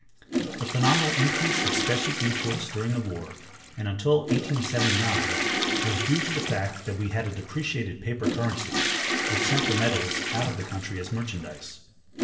The phenomenal increase of specie exports during the war, and until 1879, was due to the fact that we had a depreciated paper currency, which sent the metals out of the country as merchandise.